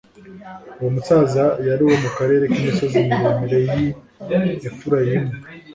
uwo musaza yari uwo mu karere k'imisozi miremire y'i efurayimu